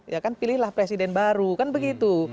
ya kan pilihlah presiden baru kan begitu